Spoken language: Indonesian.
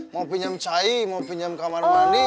mau pinjam cai mau pinjam kamar mandi